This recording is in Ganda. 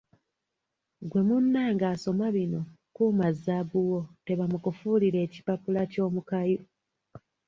Ggwe munange asoma bino kuuma zaabu wo tebamukufuulira ekipapula ky’omukayu.